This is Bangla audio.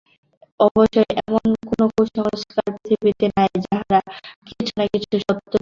অবশ্য এমন কোন কুসংস্কার পৃথিবীতে নাই, যাহার কিছু না কিছু সত্য ভিত্তি আছে।